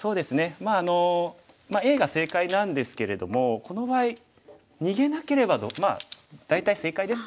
まあＡが正解なんですけれどもこの場合逃げなければまあ大体正解です。